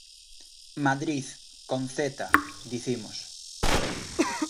"Madriz", con zeta, dicimos.